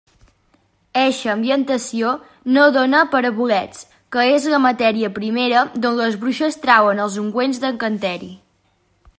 Eixa ambientació no dóna per a bolets, que és la matèria primera d'on les bruixes trauen els ungüents d'encanteri.